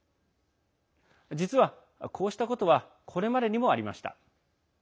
実は、こうしたことはこれまでにもありました。